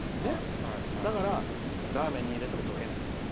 だから、ラーメンに入れても溶けない。